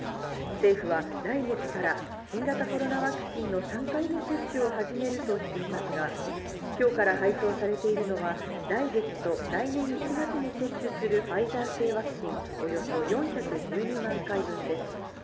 政府は来月から、新型コロナワクチンの３回目接種を始めるとしていますが、きょうから配送されているのは、来月と来年１月に接種するファイザー製ワクチン、およそ４１２万回分です。